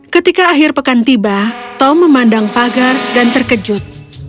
ketika akhir pekan tiba tomm memandang pagar dan terkejut